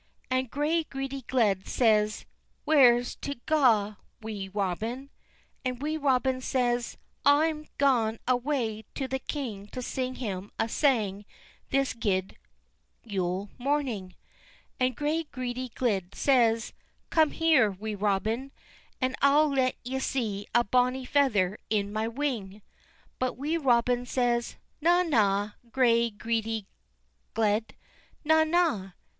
And gray greedy gled says: "Where's tu gaun, Wee Robin?" And Wee Robin says: "I'm gaun awa' to the king to sing him a sang this guid Yule morning." And gray greedy gled says: "Come here, Wee Robin, and I'll let ye see a bonny feather in my wing." But Wee Robin says: "Na, na! gray greedy gled, na, na!